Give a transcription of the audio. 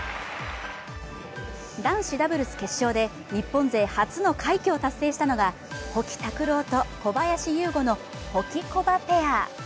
男子ダブルス決勝で日本勢初の快挙を達成したのが保木卓朗と、小林優吾のホキコバペア。